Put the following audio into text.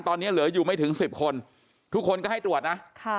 ตอนนี้เหลืออยู่ไม่ถึง๑๐คนทุกคนก็ให้ตรวจนะ